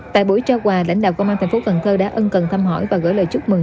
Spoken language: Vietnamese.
tại buổi trao quà lãnh đạo công an thành phố cần thơ đã ân cần thăm hỏi và gửi lời chúc mừng